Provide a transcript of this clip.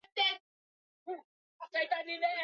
walimkuta mama wa Udzungwa alipokuwa anatafuta chakula